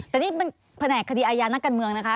แต่นี่มันแผนกคดีอายานักการเมืองนะคะ